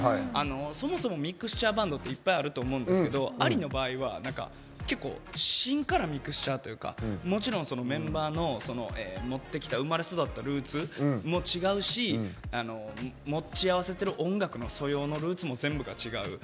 そもそもミクスチャーバンドっていっぱいあると思うんですけどＡＬＩの場合は芯からミクスチャーというかもちろん、メンバーの生まれ育ったルーツも違うし持ち合わせてる音楽の素養のルーツも全部が違う。